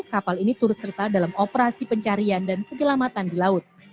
kapal ini turut serta dalam operasi pencarian dan penyelamatan di laut